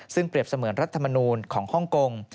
ซึ่งเปรียบเสมือนรัฐมนูลของฮ่องกง